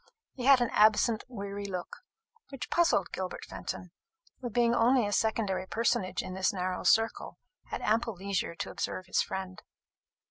He had an absent weary look, which puzzled Gilbert Fenton, who, being only a secondary personage in this narrow circle, had ample leisure to observe his friend.